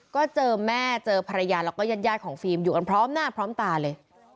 ก็เจอแม่เจอภรรยาแล้วก็ญาติของฟิล์มอยู่กันพร้อมหน้าพร้อมตาเลย